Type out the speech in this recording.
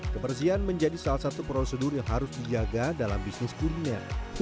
kebersihan menjadi salah satu prosedur yang harus dijaga dalam bisnis dunia